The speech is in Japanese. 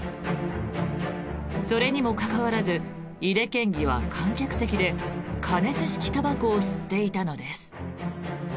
それにもかかわらず井手県議は観客席で加熱式たばこを吸っていたのです。